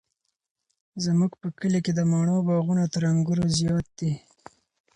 زموږ په کلي کې د مڼو باغونه تر انګورو زیات دي.